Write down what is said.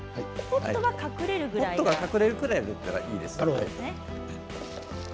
ポットが隠れるくらいだったらいいです。